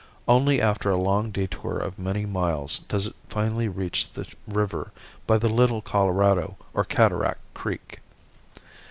Only after a long detour of many miles does it finally reach the river by the Little Colorado or Cataract Creek.